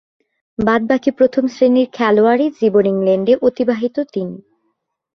বাদ-বাকী প্রথম-শ্রেণীর খেলোয়াড়ী জীবন ইংল্যান্ডে অতিবাহিত তিনি।